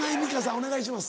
お願いします。